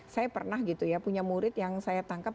saya pernah punya murid yang saya tangkap